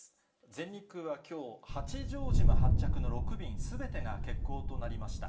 全日空はきょう、八丈島発着の６便すべてが欠航となりました。